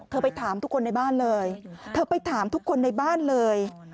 ไปถามทุกคนในบ้านเลยเธอไปถามทุกคนในบ้านเลย